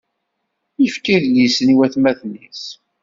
Yefka idlisen i watmaten-is.